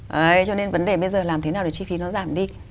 đấy cho nên vấn đề bây giờ làm thế nào để chi phí nó giảm đi